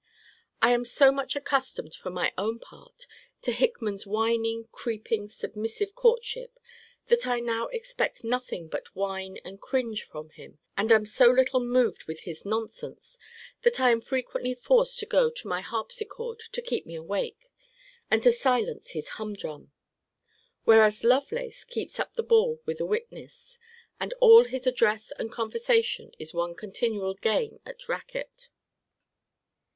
I am so much accustomed, for my own part, to Hickman's whining, creeping, submissive courtship, that I now expect nothing but whine and cringe from him: and am so little moved with his nonsense, that I am frequently forced to go to my harpsichord, to keep me awake, and to silence his humdrum. Whereas Lovelace keeps up the ball with a witness, and all his address and conversation is one continual game at raquet.